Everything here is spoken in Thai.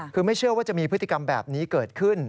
คือไม่เชื่อว่าจะมีพฤติกรรมแบบนี้เกิดขึ้น